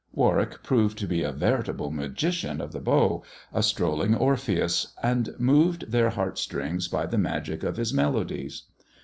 "Warwick proved to be a veritable magician of th bow, a strolling Orpheus, and moved their heartstrings b; the magic of his melodies.